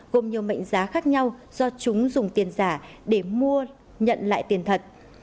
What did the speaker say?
gồm nhiều mệnh giá khác nhau do chúng dùng tiền giả để mua nhận lại tiền thật